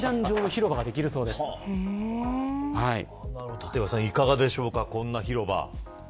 立岩さん、いかがでしょうかこんな広場。